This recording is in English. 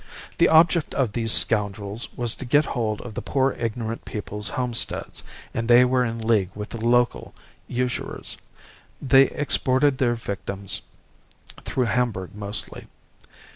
The object of these scoundrels was to get hold of the poor ignorant people's homesteads, and they were in league with the local usurers. They exported their victims through Hamburg mostly.